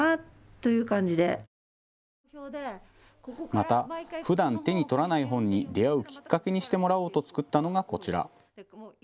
また、ふだん手に取らない本に出会うきっかけにしてもらおうと作ったのがこちら。